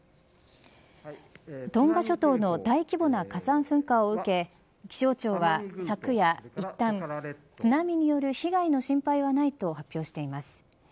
トンガ諸島の大規模な火山噴火を受け気象庁は、昨夜、いったん津波による被害の心配はないと発表しています。